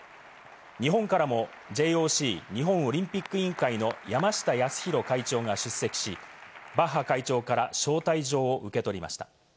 日本からもＪＯＣ＝日本オリンピック委員会の山下泰裕会長が出席し、バッハ会長から招待状を受け取りました。